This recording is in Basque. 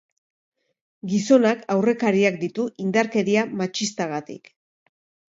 Gizonak aurrekariak ditu indarkeria matxistagatik.